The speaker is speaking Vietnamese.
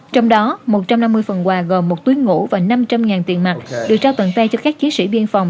trong đó một trăm năm mươi phần quà gồm một túi ngủ và năm trăm linh tiền mặt được trao tận tay cho các chiến sĩ biên phòng